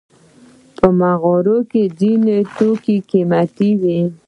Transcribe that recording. په مغازه کې ځینې توکي قیمته وي.